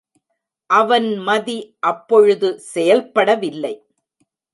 அவன் மதி அப்பொழுது செயல்படவில்லை.